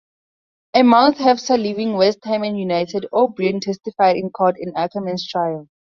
A month after leaving West Ham United, O'Brien testified in court in Ackerman's trial.